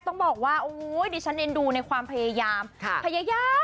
ต้องบอกว่าโอ้ยดิฉันเอ็นดูในความพยายาม